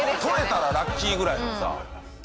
取れたらラッキーぐらいのさ。